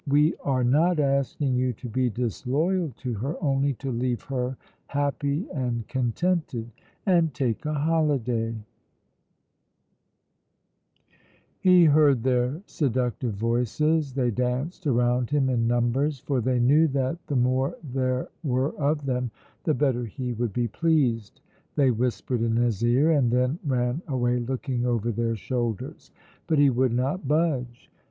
We are not asking you to be disloyal to her, only to leave her happy and contented and take a holiday." [Illustration: He heard their seductive voices, they danced around him in numbers.] He heard their seductive voices. They danced around him in numbers, for they knew that the more there were of them the better he would be pleased; they whispered in his ear and then ran away looking over their shoulders. But he would not budge.